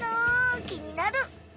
きになる！